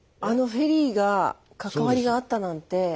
あのフェリーが関わりがあったなんて。